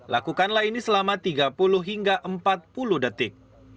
lakukanlah ini selama tiga puluh hingga empat puluh detik